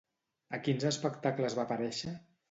A quins espectacles va aparèixer?